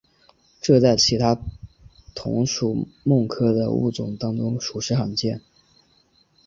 这在其他同属蠓科的物种当中实属罕见。